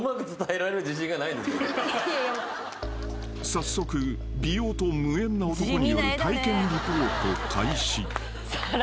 ［早速美容と無縁な男による体験リポート開始］